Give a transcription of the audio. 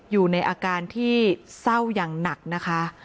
อยู่ในอาการที่เศร้าอย่างหนักนะคะ